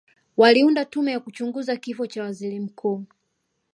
waliunda tume ya kuchunguza kifo cha waziri mkuu